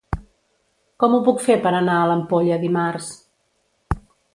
Com ho puc fer per anar a l'Ampolla dimarts?